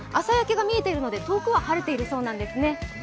朝焼けが見えているので遠くは晴れているそうなんですね